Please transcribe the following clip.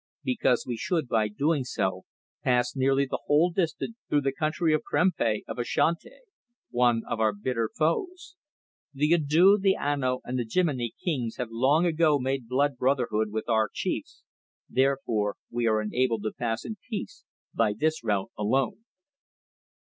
"Because we should, by so doing, pass nearly the whole distance through the country of Prempeh, of Ashanti, one of our bitter foes. The Adoo, the Anno, and the Jimini kings have long ago made blood brotherhood with our chiefs, therefore we are enabled to pass in peace by this route alone."